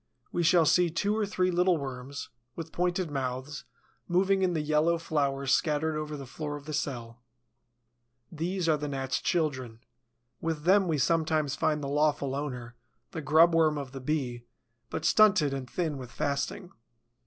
We shall see two or three little worms, with pointed mouths, moving in the yellow flour scattered over the floor of the cell. These are the Gnat's children. With them we sometimes find the lawful owner, the grub worm of the Bee, but stunted and thin with fasting.